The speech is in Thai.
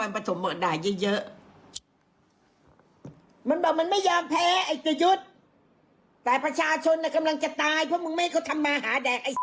เพราะมึงไม่ให้เขาทำมาหาแดกไอ้